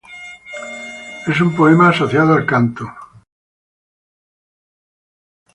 Es un poema asociado al canto.